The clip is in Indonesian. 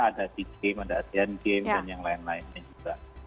ada si game ada asian game dan yang lain lainnya juga